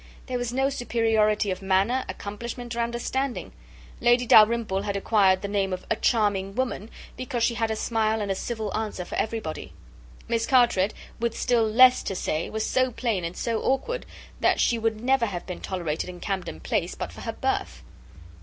There was no superiority of manner, accomplishment, or understanding. Lady Dalrymple had acquired the name of "a charming woman," because she had a smile and a civil answer for everybody. Miss Carteret, with still less to say, was so plain and so awkward, that she would never have been tolerated in Camden Place but for her birth.